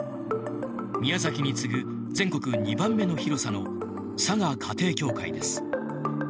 宮崎に次ぐ全国２番目の広さの佐賀家庭教会です。